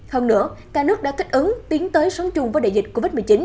hơn nữa cả nước đã thích ứng tiến tới sống chung với đại dịch covid một mươi chín